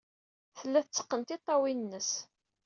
Tella tetteqqen tiṭṭawin-nnes.